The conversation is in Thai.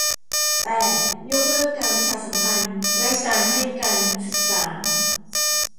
แปด ยกเลิกการประชาสัมพันธ์และการให้การศึกษา